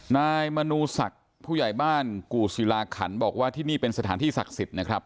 นายมนูศักดิ์ผู้ใหญ่บ้านกู่ศิลาขันบอกว่าที่นี่เป็นสถานที่ศักดิ์สิทธิ์นะครับ